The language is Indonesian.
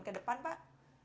ke depan pak